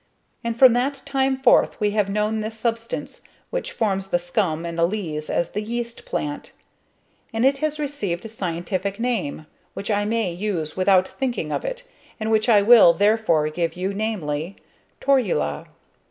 And from that time forth we have known this substance which forms the scum and the lees as the yeast plant; and it has received a scientific name which I may use without thinking of it, and which I will therefore give you namely, "Torula."